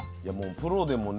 プロでもね